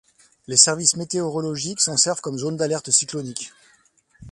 Les services météorologiques s'en servent comme zone d’alerte cyclonique.